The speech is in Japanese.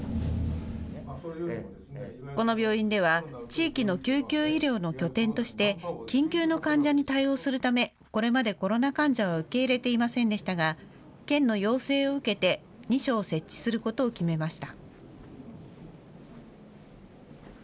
この病院では地域の救急医療の拠点として緊急の患者に対応するためこれまでコロナ患者は受け入れていませんでしたが県の要請を受けて２床設置することを決めました。